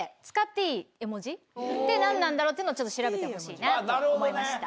何なんだろうっていうのを調べてほしいなと思いました。